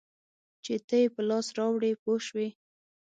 چې ته یې په لاس راوړې پوه شوې!.